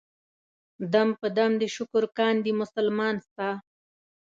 دم په دم دې شکر کاندي مسلمان ستا.